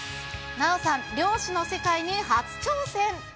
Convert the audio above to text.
奈緒さん、漁師の世界に初挑戦。